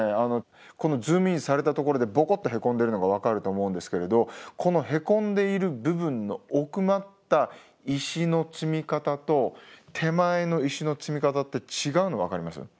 ズームインされたところでボコッとへこんでるのが分かると思うんですけれどこのへこんでいる部分の奥まった石の積み方と手前の石の積み方って違うの分かります？